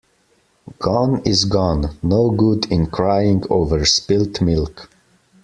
Gone is gone. No good in crying over spilt milk.